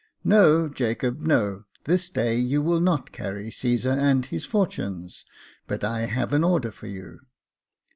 "No, Jacob, no ; this day you will not carry Caesar and his fortunes, but I have an order for you."